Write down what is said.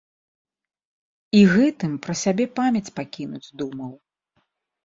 І гэтым пра сябе памяць пакінуць думаў.